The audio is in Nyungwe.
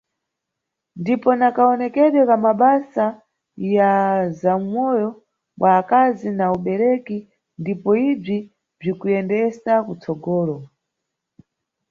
Ndipo na kawonekedwe ka mabasa ya zawumoyo bwa akazi na ubereki ndipo ibzi bzikuyendesa kutsogolo.